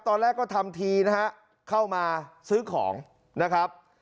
ตอนแรกก็ทำทีนะฮะเข้ามาซื้อของนะครับ